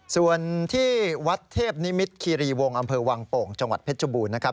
ส่วนที่วัดเทพนิมิตรคีรีวงศ์อำเภอวังโป่งจังหวัดเพชรบูรณ์นะครับ